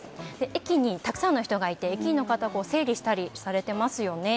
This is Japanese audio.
駅にたくさんの人がいて駅員の方が整理したりされていますよね。